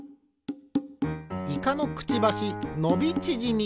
イカのくちばしのびちぢみ。